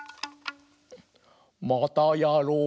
またやろう！